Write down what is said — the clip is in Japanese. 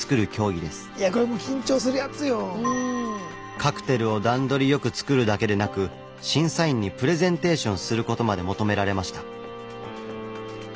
カクテルを段取りよく作るだけでなく審査員にプレゼンテーションすることまで求められました。